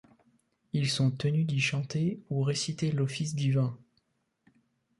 Ils sont tenus d'y chanter ou réciter l'office divin.